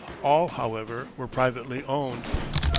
All, however, were privately owned.